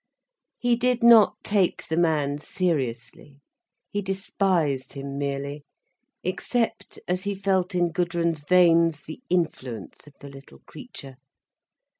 He did not take the man seriously, he despised him merely, except as he felt in Gudrun's veins the influence of the little creature.